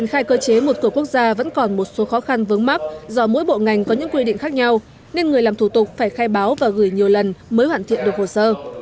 khai cơ chế một cửa quốc gia vẫn còn một số khó khăn vướng mắt do mỗi bộ ngành có những quy định khác nhau nên người làm thủ tục phải khai báo và gửi nhiều lần mới hoàn thiện được hồ sơ